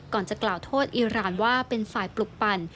จะกล่าวโทษอิราณว่าเป็นฝ่ายปลุกปั่น